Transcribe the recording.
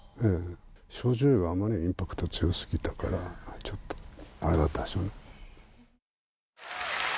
少女Ａがあまりにもインパクト強すぎたから、ちょっとあれだったんでしょうね。